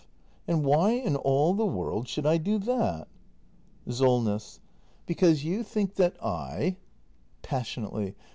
And why in all the world should I do that ? Solness. Because you think that I . [Passionately.